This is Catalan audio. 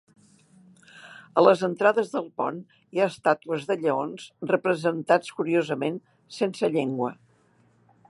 A les entrades del pont hi ha estàtues de lleons representats curiosament sense llengua.